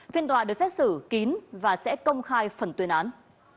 phiên tòa được xét xử kín và sẽ công khai phần tuyên án